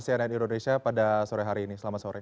cnn indonesia pada sore hari ini selamat sore